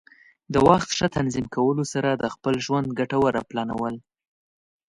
د وخت ښه تنظیم کولو سره د خپل ژوند ګټوره پلانول.